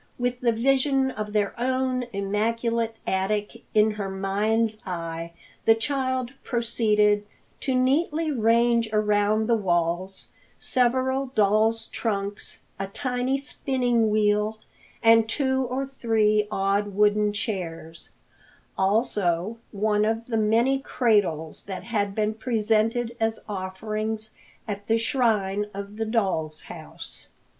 With the vision of their own immaculate attic in her mind's eye, the child proceeded to neatly range around the walls several doll's trunks, a tiny spinning wheel and two or three odd wooden chairs; also one of the many cradles that had been presented as offerings at the shrine of the doll's house.